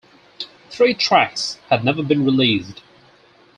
Three tracks had never been released.